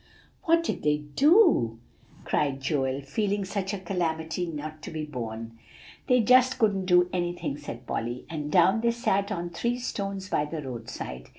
"What did they do?" cried Joel, feeling such a calamity not to be borne. "They just couldn't do anything," said Polly. "And down they sat on three stones by the roadside.